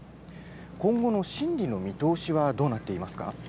今後の審理の見通しはどうなっていますか。